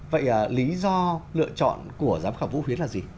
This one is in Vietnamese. vậy lý do lựa chọn của giám khảo vũ huyến là gì